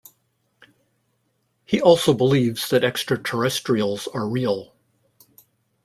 He also believes that extraterrestrials are real.